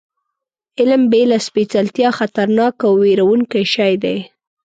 علم بې له سپېڅلتیا خطرناک او وېروونکی شی دی.